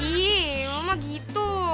ih mama gitu